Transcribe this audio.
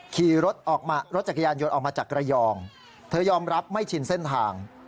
ขี่รถจักรยานยนต์ออกมาจากระยองเธอยอมรับไม่ชินเส้นทาง